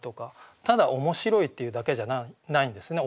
ただ面白いっていうだけじゃないんですね